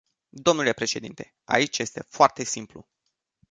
Domnule președinte, aici este foarte simplu.